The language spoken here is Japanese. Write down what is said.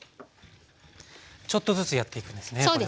ちょっとずつやっていくんですねこれは。